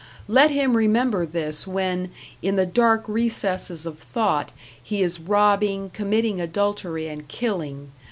Let him remember this when, in the dark recesses of thought, he is robbing, committing adultery and killing.